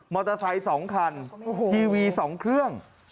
มอเตอร์ไซต์๒คันทีวี๒เครื่อง